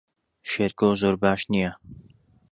شێرکۆ زۆر باش نییە.